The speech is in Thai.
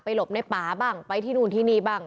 หลบในป่าบ้างไปที่นู่นที่นี่บ้าง